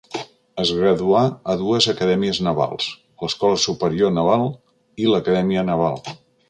Es graduà a dues acadèmies navals, l'Escola Superior Naval i l'Acadèmia Naval.